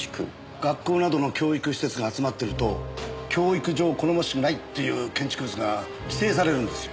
学校などの教育施設が集まってると教育上好ましくないっていう建築物が規制されるんですよ。